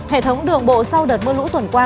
hệ thống đường bộ sau đợt mưa lũ tuần qua